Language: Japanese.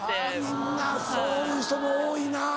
みんなそういう人も多いな。